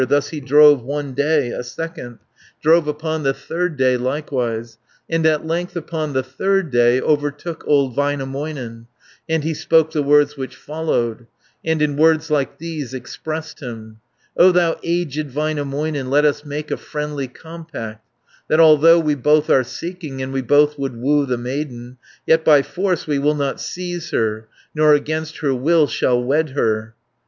450 Thus he drove one day, a second, Drove upon the third day likewise, And at length upon the third day, Overtook old Väinämöinen, And he spoke the words which follow, And in words like these expressed him: "O thou aged Väinämöinen, Let us make a friendly compact, That although we both are seeking, And we both would woo the maiden, 460 Yet by force we will not seize her, Nor against her will shall wed her."